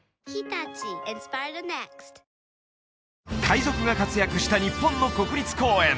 海賊が活躍した日本の国立公園